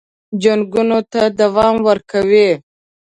جنګونو ته دوام ورکوي.